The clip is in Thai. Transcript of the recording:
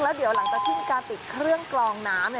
แล้วเดี๋ยวหลังจากที่มีการติดเครื่องกลองน้ำ